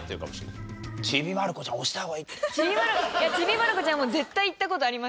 いや『ちびまる子ちゃん』もう絶対行った事ありますよ！